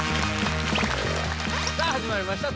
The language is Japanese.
さあ始まりました